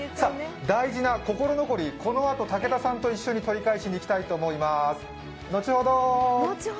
大事な心残り、このあと武田さんと取り返しに行きたいと思います。